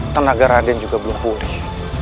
tenaga raden juga belum pulih